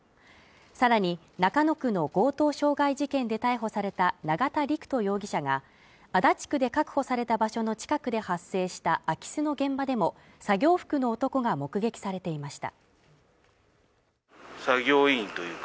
さらに中野区の強盗傷害事件で逮捕された永田陸人容疑者が足立区で確保された場所の近くで発生した空き巣の現場でも作業服の男が目撃されていました